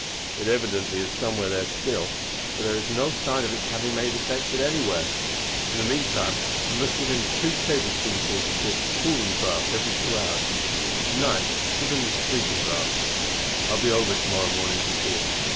It evidently is somewhere there still, for there is no sign of its having made its exit anywhere. In the meantime you must give him two tablespoonfuls of this cooling draught every two hours, and to night give him this sleeping draught. I will be over to morrow morning to see him.